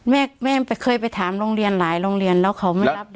แม่เคยไปถามหลายโรงเรียนแล้วเขาไม่รับเรียนไหม